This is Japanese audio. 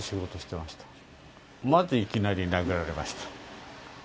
まずいきなり殴られた？